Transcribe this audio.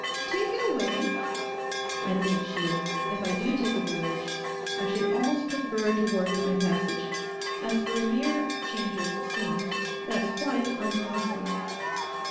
'Take it away?' 'I think, Sheila, if I do take a voyage I should almost prefer to work my passage. As for a mere "change of scene," that's quite uncostly.